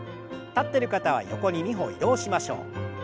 立ってる方は横に２歩移動しましょう。